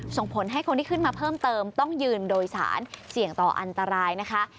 ส่งผลให้คนที่ขึ้นมาเพิ่มเติมต้องยืนโดยสารเสี่ยงต่ออันตรายนะคะ